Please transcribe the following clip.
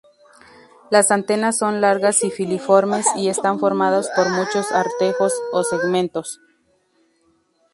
Las antenas son largas y filiformes, y están formadas por muchos artejos o segmentos.